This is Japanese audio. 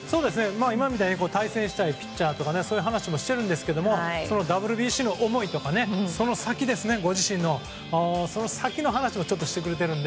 今みたいに対戦したいピッチャーとかそういう話もしているんですけどＷＢＣの思いとかご自身の、その先の話もしてくれているので。